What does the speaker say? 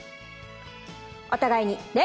お互いに礼！